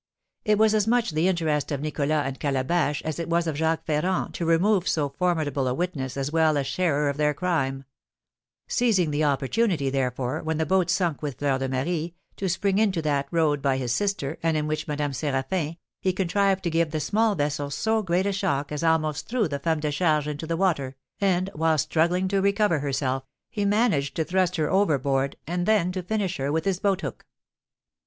It was as much the interest of Nicholas and Calabash as it was of Jacques Ferrand to remove so formidable a witness as well as sharer of their crime; seizing the opportunity, therefore, when the boat sunk with Fleur de Marie, to spring into that rowed by his sister, and in which was Madame Séraphin, he contrived to give the small vessel so great a shock as almost threw the femme de charge into the water, and, while struggling to recover herself, he managed to thrust her overboard, and then to finish her with his boat hook.